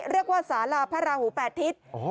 เรียกว่าสาลาภราหูแปดทิศ